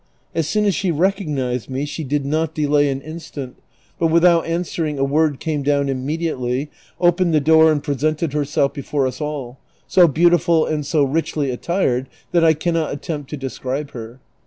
As soon as she recoornized me she did not delay an mstant, but Avithout answermg a word came down im mediately, opened the door and presented hei'self before us all, so beautiful and so richly attired that I cannot attempt to describe her.